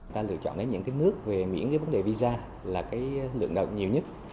ta lựa chọn đến những nước về miễn với vấn đề visa là cái lượng đợt nhiều nhất